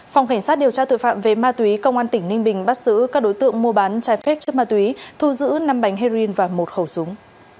phòng cảnh sát điều tra tội phạm về ma túy công an tỉnh ninh bình bắt giữ các đối tượng mua bán trái phép chất ma túy thu giữ năm bánh heroin và một khẩu súng